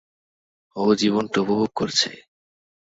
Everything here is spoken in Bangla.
ও জীবনটা উপভোগ করছে।